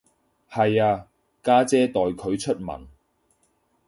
係啊，家姐代佢出文